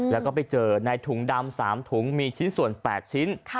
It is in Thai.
แล้วก็ไปเจอในถุงดำ๓ถุงมีชิ้นส่วน๘ชิ้น